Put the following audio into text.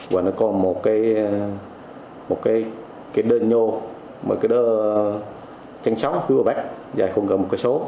và nó còn một cái đơ nhô một cái đơ chắn sóng phía bờ bắc dài khoảng một km